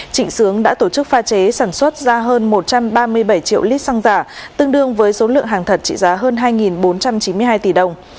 trịnh sướng đã tổ chức pha chế sản xuất ra hơn một trăm ba mươi bảy triệu lít xăng giả tương đương với số lượng hàng thật trị giá hơn hai bốn trăm chín mươi hai tỷ đồng